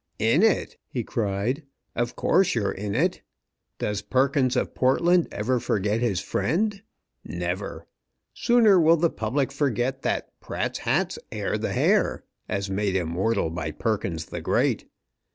"In it?" he cried. "Of course, you're in it! Does Perkins of Portland ever forget his friend? Never! Sooner will the public forget that 'Pratt's Hats Air the Hair,' as made immortal by Perkins the Great!